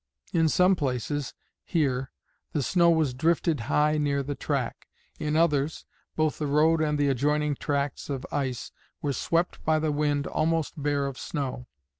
In some places here the snow was drifted high near the track; in others, both the road and the adjoining tracts of ice were swept by the wind almost bare of snow.